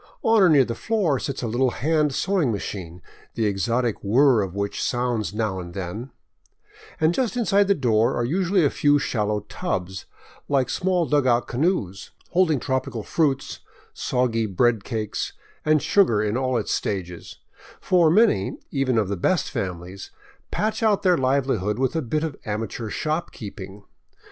On or near the floor sits a little hand sewing machine, the exotic whirr of which sounds now and then ; and just inside the door are usually a few shallow tubs, like small dugout canoes, holding tropical fruits, soggy bread cakes, and sugar in all its stages; for many, even of the " best families," patch out their livelihood with a bit of amateur shopkeeping.